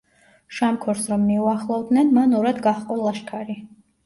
შამქორს რომ მიუახლოვდნენ, მან ორად გაჰყო ლაშქარი.